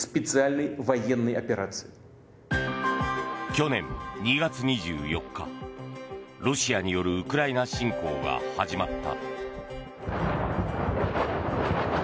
去年２月２４日ロシアによるウクライナ侵攻が始まった。